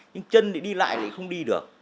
nhưng chân thì đi lại thì không đi được